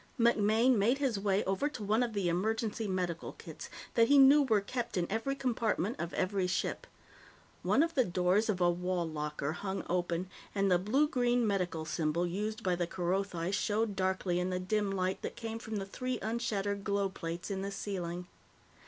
MacMaine made his way over to one of the emergency medical kits that he knew were kept in every compartment of every ship. One of the doors of a wall locker hung open, and the blue green medical symbol used by the Kerothi showed darkly in the dim light that came from the three unshattered glow plates in the ceiling.